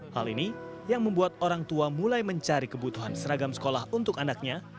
hal ini yang membuat orang tua mulai mencari kebutuhan seragam sekolah untuk anaknya